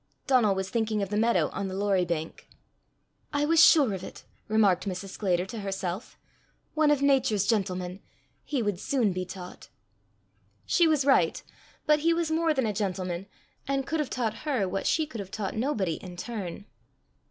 Donal was thinking of the meadow on the Lorrie bank. "I was sure of it!" remarked Mrs. Sclater to herself. "One of nature's gentlemen! He would soon be taught." She was right; but he was more than a gentleman, and could have taught her what she could have taught nobody in turn.